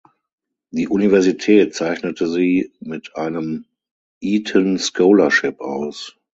Die Universität zeichnete sie mit einem "Eaton Scholarship" aus.